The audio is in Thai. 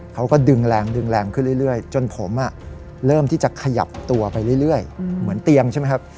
เขาก็ดึงแรงดึงแรงขึ้นเรื่อยจนผมเริ่มที่จะขยับตัวไปเรื่อยเหมือนเตียงใช่ไหมครับ